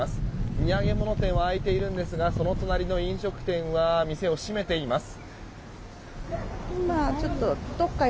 土産物店は開いてるんですがその隣の飲食店は店を閉めています。